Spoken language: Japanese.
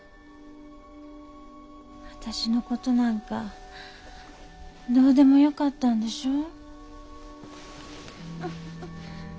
私の事なんかどうでもよかったんでしょう？